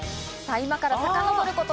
今からさかのぼること